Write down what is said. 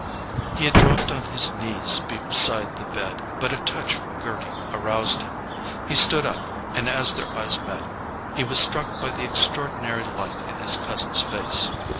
He had dropped on his knees beside the bed, but a touch from Gerty aroused him. He stood up, and as their eyes met he was struck by the extraordinary light in his cousin's face.